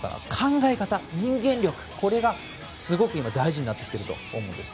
考え方や人間力がすごく今大事になってきていると思います。